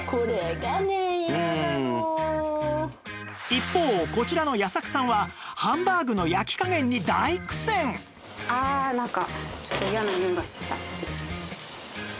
一方こちらの矢作さんはハンバーグの焼き加減に大苦戦ああなんか。